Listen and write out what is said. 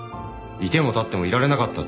「居ても立ってもいられなかった」